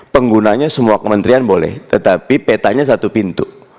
penggunanya semua kementerian boleh tetapi petanya satu pintu